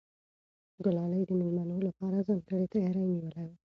ګلالۍ د مېلمنو لپاره ځانګړی تیاری نیولی و.